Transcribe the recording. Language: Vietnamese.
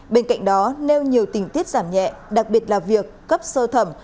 bên cạnh đó nêu nhiều tình tiết giảm nhẹ đặc biệt là việc cấp sơ thẩm